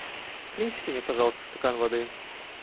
Принесите мне, пожалуйста, стакан воды.